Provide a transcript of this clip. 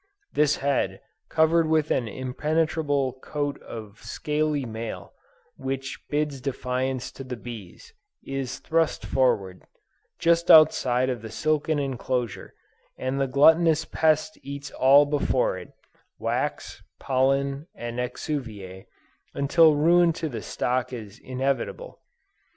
This head, covered with an impenetrable coat of scaly mail, which bids defiance to the bees, is thrust forward, just outside of the silken enclosure, and the gluttonous pest eats all before it, wax, pollen, and exuviæ, until ruin to the stock is inevitable.